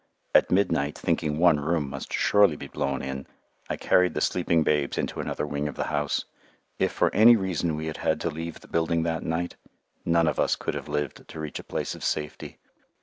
At midnight, thinking one room must surely be blown in, I carried the sleeping babes into another wing of the house. If for any reason we had had to leave the building that night, none of us could have lived to reach a place of safety.